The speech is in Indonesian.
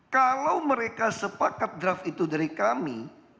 kalau mereka sepakat draft itu dari kami